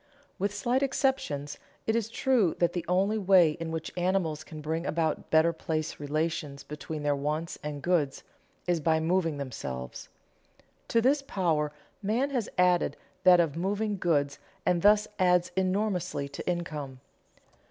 With slight exceptions, it is true that the only way in which animals can bring about better place relations between their wants and goods is by moving themselves. To this power man has added that of moving goods and thus adds enormously to income.